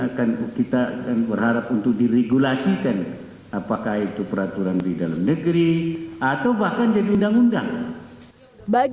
maka aturan ini khusus mengenai atribut ini saya ingin kita berharap untuk diregulasikan apakah itu peraturan di dalam negeri atau bahkan jadi undang undang